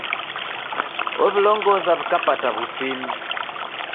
Ow'ilongoza w'ikapata w'usimi.